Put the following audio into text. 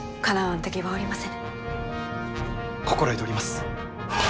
心得ております！